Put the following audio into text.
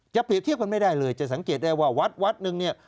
จะเปรียบเทียบกันไม่ได้เลยจะสังเกตได้ว่าวัดหนึ่ง